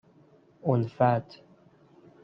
اُلفت